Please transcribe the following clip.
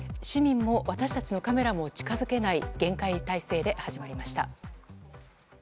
市民も私たちのカメラも近づけない厳戒態勢で始まりました。